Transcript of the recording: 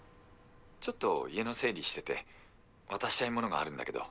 ちょっと家の整理してて渡したいものがあるんだけど。